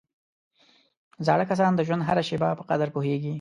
زاړه کسان د ژوند هره شېبه په قدر پوهېږي